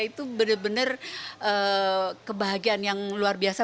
itu benar benar kebahagiaan yang luar biasa